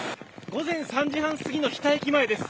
午前３時半すぎの日田駅前です。